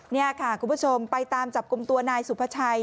นี่ค่ะคุณผู้ชมไปตามจับกลุ่มตัวนายสุภาชัย